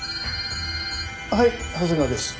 はい長谷川です。